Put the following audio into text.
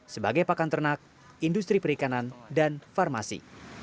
sebagai pakan ternak industri perikanan dan farmasi